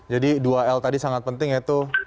jadi dua l tadi sangat penting yaitu